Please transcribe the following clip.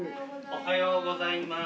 おはようございます。